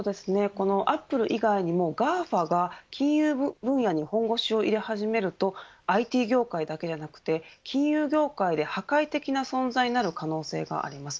このアップル以外にもＧＡＦＡが金融分野に本腰を入れ始めるとＩＴ業界だけではなくて金融業界で破壊的な存在になる可能性があります。